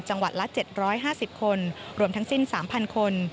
จังหวัดละ๗๕๐คนรวมทั้งสิ้น๓๐๐คน